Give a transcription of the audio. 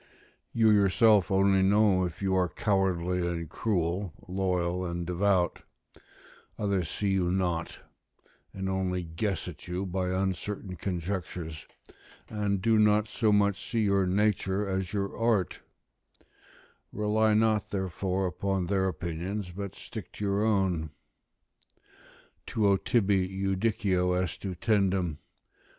You yourself only know if you are cowardly and cruel, loyal and devout: others see you not, and only guess at you by uncertain conjectures, and do not so much see your nature as your art; rely not therefore upon their opinions, but stick to your own: "Tuo tibi judicio est utendum....